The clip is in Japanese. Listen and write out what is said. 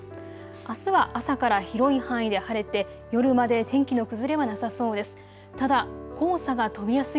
あすは朝から広い範囲で晴れて夜まで天気の崩れはなさそうです。